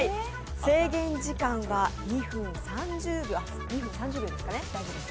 制限時間は２分３０秒です。